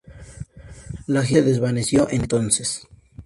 La agitación se desvaneció entonces.